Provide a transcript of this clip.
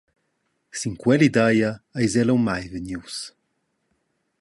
Sin quell’idea eis el aunc mai vegnius.